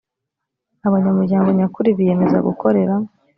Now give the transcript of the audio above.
abanyamuryango nyakuri biyemeza gukorera